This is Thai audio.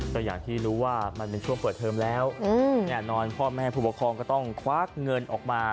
ก็อย่างที่รู้ว่ามันเป็นช่วงเปิดเทอมแล้วแน่นอนพ่อแม่ผู้ปกครองก็ต้องควักเงินออกมา